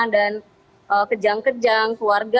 dan kejang kejang keluarga